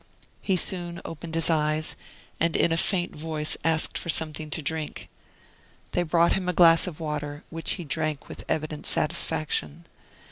He soon opened his eyes, and in a faint voice asked for something to drink. They brought him a glass of water, which he drank with evident satisfaction.